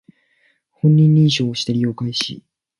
本人認証をして利用開始